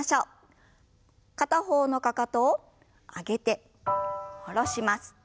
片方のかかとを上げて下ろします。